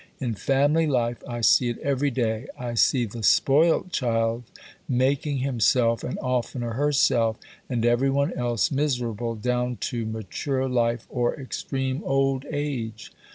In family life I see it every day. I see the "spoilt child" making himself, and oftener herself, and everyone else miserable, down to mature life or extreme old age.